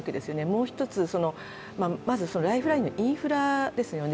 もう一つ、まずライフラインのインフラですね。